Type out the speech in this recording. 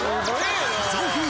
「ゾフィー」